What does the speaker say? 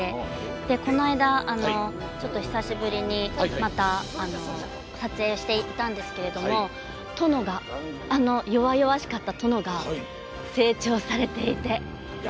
この間、久しぶりにまた、撮影していたんですがあの弱々しかった殿が成長されていて。